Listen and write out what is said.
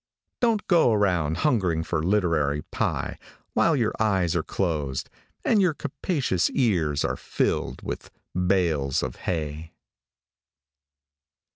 Don't go around hungering for literary pie while your eyes are closed and your capacious ears are filled with bales of hay.